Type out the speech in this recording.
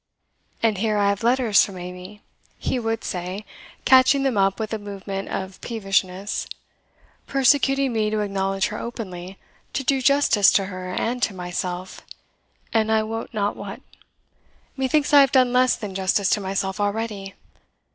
And here I have letters from Amy," he would say, catching them up with a movement of peevishness, "persecuting me to acknowledge her openly to do justice to her and to myself and I wot not what. Methinks I have done less than justice to myself already.